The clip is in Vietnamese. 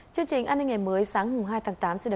chương trình an ninh ngày mới sáng hùng hai tháng tám